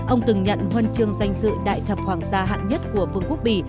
ông từng nhận huân chương danh dự đại thập hoàng gia hạng nhất của vương quốc bỉ